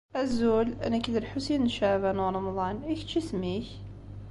Azul. Nekk d Lḥusin n Caɛban u Ṛemḍan. I kečč isem-ik?